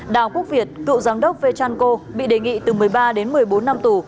đào quốc việt cựu giám đốc vê trăn cô bị đề nghị từ một mươi ba một mươi bốn năm tù